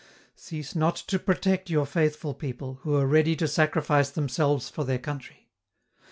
Cease not to protect your faithful people, who are ready to sacrifice themselves for their country.